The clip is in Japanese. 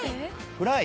フライ？